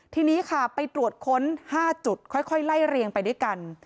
ทีนี้ค่ะไปตรวจค้น๕จุดค่อยไล่เรียงไปด้วยกัน